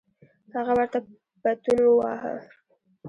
هغه ورته پتون وواهه.